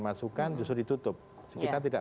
masukan justru ditutup kita tidak